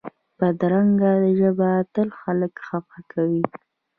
بدرنګه ژبه تل خلک خفه کوي